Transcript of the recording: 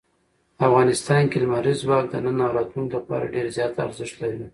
افغانستان کې لمریز ځواک د نن او راتلونکي لپاره ډېر زیات ارزښت لري.